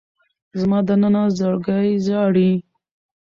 زما دننه زړګی ژاړي